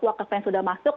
wakaf yang sudah masuk